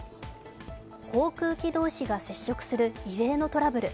航空機同士が接触する異例のトラブル。